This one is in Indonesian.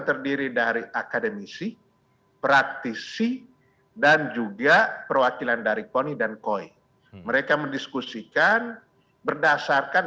terdiri dari akademisi praktisi dan juga perwakilan dari koni dan koi mereka mendiskusikan berdasarkan